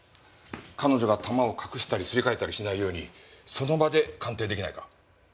彼女が弾を隠したりすり替えたりしないようにその場で鑑定出来ないか？